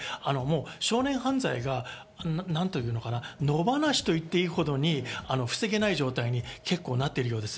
少年犯罪が野放しといっていいほどに防げない状態になっているようです。